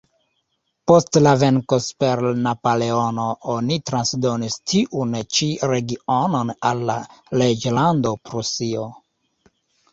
Post la venko super Napoleono oni transdonis tiun ĉi regionon al la reĝlando Prusio.